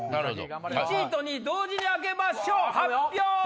１位と２位同時に開けましょう発表です！